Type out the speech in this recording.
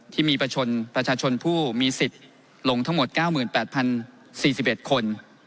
ที่มีประชาชนผู้มีสิทธิ์ลงทั้งหมด๙๘๐๔๑คน